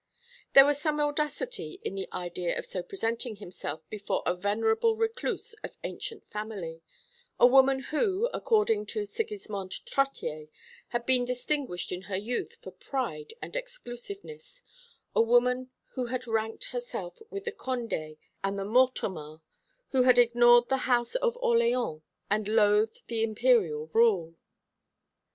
There was some audacity in the idea of so presenting himself before a venerable recluse of ancient family, a woman who, according to Sigismond Trottier, had been distinguished in her youth for pride and exclusiveness; a woman who had ranked herself with the Condés and the Mortemarts, who had ignored the house of Orleans, and loathed the Imperial rule.